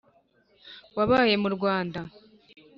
wabaye mu rwanda